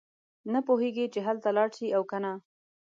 نه پوهېږي چې هلته لاړ شي او کنه.